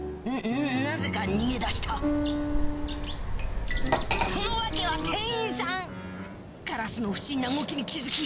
なぜか逃げ出したその訳は店員さんカラスの不審な動きに気付き